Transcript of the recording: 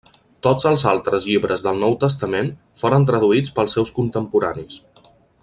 Tots els altres llibres del Nou Testament foren traduïts pels seus contemporanis.